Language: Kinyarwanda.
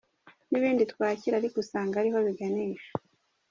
N’ibindi twakira ariko usanga ariho biganisha.